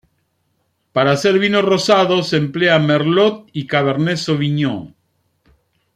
Para hacer vino rosado se emplea "merlot" y "cabernet sauvignon".